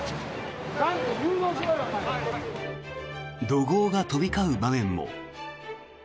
怒号が飛び交う場面も。